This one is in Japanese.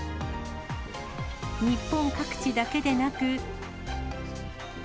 日本各地だけでなく。